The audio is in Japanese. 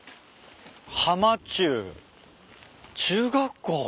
「浜中」中学校。